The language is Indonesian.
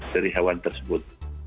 dari hewan tersebut